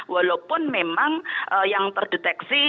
walaupun memang yang terdeteksi